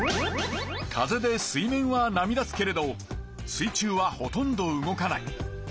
風で水面は波立つけれど水中はほとんど動かない。